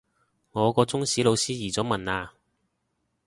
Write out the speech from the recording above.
我個中史老師移咗民喇